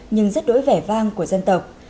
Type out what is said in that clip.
nhưng rất đối vẻ vang của dân tộc